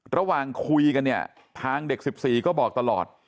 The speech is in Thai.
ระหว่างคุยกันเนี่ยทางเด็ก๑๔ก็บอกตลอด